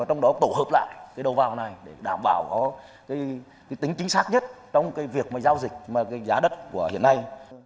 trong đó tổ hợp lại đầu vào này để đảm bảo có tính chính xác nhất trong việc giao dịch giá đất của hiện nay